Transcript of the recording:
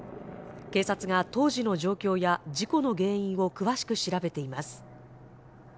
警察が当時の状況や事故の原因を詳しく調べています。